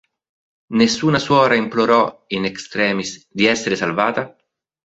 Nessuna suora implorò, in extremis, di essere salvata?